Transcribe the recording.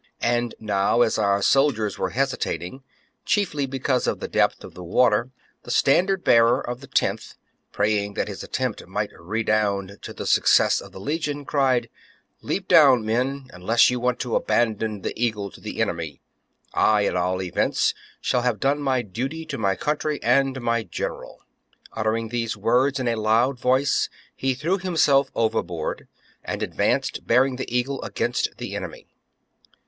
And now, as our soldiers were hesitating, chiefly because of the depth of the water, the standard bearer of the loth, praying that his attempt might redound to the success of the legion, cried, " Leap down, men, unless you want to abandon ^ the eagle to the enemy : I, at all events, shall have done my duty to my country and my general." Uttering these words in a loud voice, he threw himself overboard, and idvanced, bearing the eagle, against the enemy.